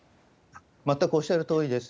全くおっしゃるとおりです。